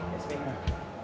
ya sempit mah